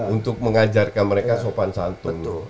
untuk mengajarkan mereka sopan santun